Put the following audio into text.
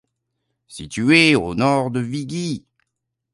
Situé au nord de Vigy.